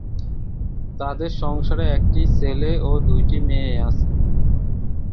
তাদের সংসারে একটি ছেলে ও দুইটি মেয়ে আছে।